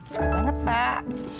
suka banget pak